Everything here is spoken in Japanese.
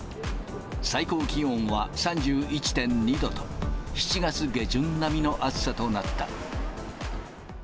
最高気温は３１．２度と、７月下旬並みの暑さとなった。